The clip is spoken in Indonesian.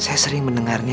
saya sering mendengarnya